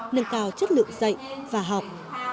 nâng cao chất lượng dạy và học